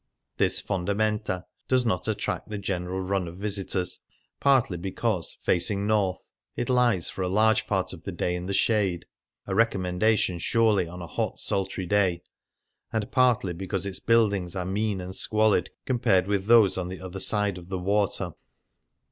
This Jh7idajnejita does not attract the general run of visitors ; partly be cause, facing north, it lies for a large part of the day in the shade (a recommendation, surely, on a hot, sultry day), and partly because its buildings are mean and squalid compared with those on 90 H. C. l ntite Co. ENTRANCE TO THE ARSENAL, Venice on Foot the other side of the water.